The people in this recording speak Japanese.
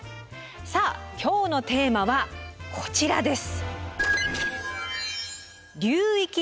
さあ今日のテーマはこちらです。